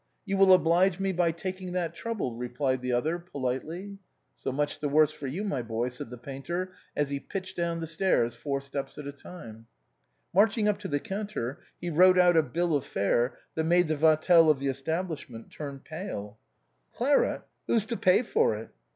" You will oblige me by taking that trouble," replied the other, politely. " So much the worse for you, my boy," said the painter as he pitched down the stairs, four steps at a tim_e. March ing up to the counter, he wrote out a bill of fare that made the Vatel of the establishment turn pale. 44 THE BOHEMIANS OF THE LATIN" QUARTER. " Claret ! who's to pay for it